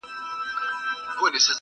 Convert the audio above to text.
پر کاله ټول امتحان راسي مگر,